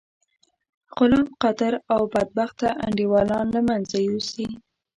غلام قادر او بدبخته انډيوالان له منځه یوسی.